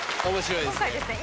今回ですね